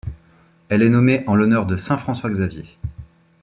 Elle est nommée en l'honneur de saint François Xavier.